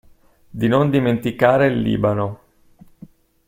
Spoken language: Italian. Di non dimenticare il Libano.